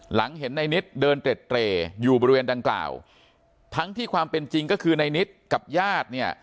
หลังเห็นในนิดเดินเตร็ดเตรอยู่บริเวณดังกล่าวทั้งที่ความเป็นจริงก็คือในนิดกับญาติเนี่ย